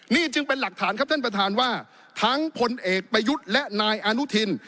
นี่จึงเป็นหลักฐานครับท่านประธานว่าทั้งพลเอกประยุทธ์และนายอนุทิน